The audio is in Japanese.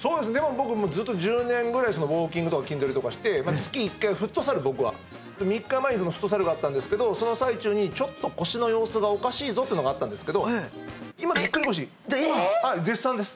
僕もうずっと１０年ぐらいウォーキングとか筋トレとかして月１回フットサル僕は３日前にそのフットサルがあったんですけどその最中にちょっと腰の様子がおかしいぞというのがあったんですけど絶賛です